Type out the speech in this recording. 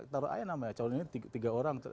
taruh aja namanya calon ini tiga orang